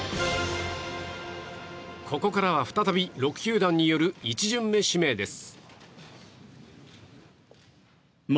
ここからは再び６球団による１巡目指名です。